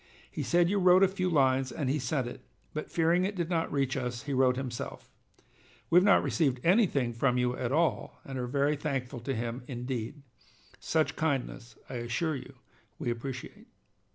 He said you wrote a few lines and he sent it, but fearing it did not reach us, he wrote himself. We have not received anything from you at all, and are very thankful to him indeed. Such kindness, I assure you, we appreciate.